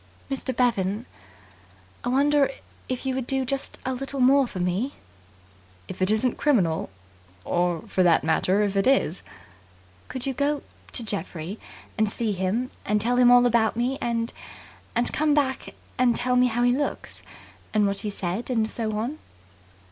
"Mr. Bevan, I wonder if you would do just a little more for me?" "If it isn't criminal. Or, for that matter, if it is." "Could you go to Geoffrey, and see him, and tell him all about me and and come back and tell me how he looks, and what he said and and so on?"